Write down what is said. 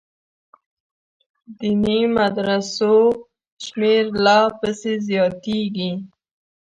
دیني مدرسو شمېر لا پسې زیاتېږي.